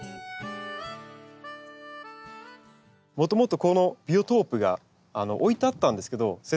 もともとこのビオトープが置いてあったんですけど先生